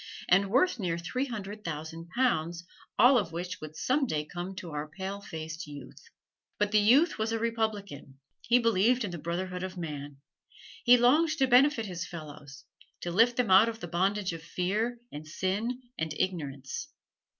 and worth near three hundred thousand pounds, all of which would some day come to our pale faced youth. But the youth was a republican he believed in the brotherhood of man. He longed to benefit his fellows, to lift them out of the bondage of fear, and sin, and ignorance.